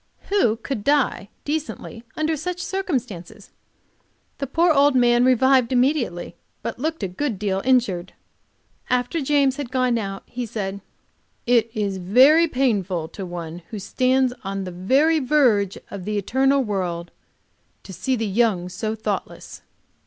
Who could die decently under such circumstances? The poor old man revived immediately, but looked a good deal injured. After James had gone out, he said: "It is very painful to one who stands on the very verge of the eternal world to see the young so thoughtless."